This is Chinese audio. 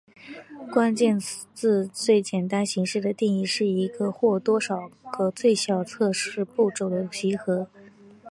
关键字最简单形式的定义是一个或多个最小测试步骤的集合。